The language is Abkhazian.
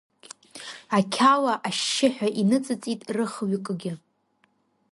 Ақьала ашьшьыҳәа иныҵыҵит рыхҩыкгьы.